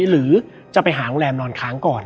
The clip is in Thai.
หรือจะไปหาโรงแรมนอนค้างก่อน